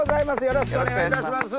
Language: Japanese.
よろしくお願いします。